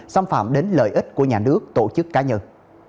xâm phạm đến lợi ích của nhà nước tổ chức cá nhân